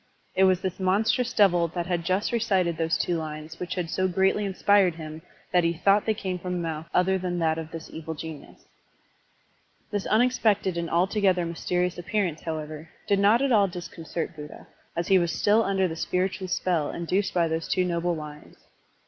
It was this monstrous devil that had just recited those two lines which had so greatly inspired him that he thought they came from a mouth other than that of this evil genius. Digitized by Google THE SACRIFICE FOR A STANZA 191 This unexpected and altogether mysterious appearance, however, did not at all disconcert Buddha, as he was still under the spiritual spell induced by those two noble lines.